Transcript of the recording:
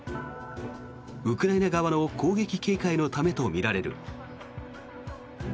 ウクライナ側の攻撃警戒のためとみられる。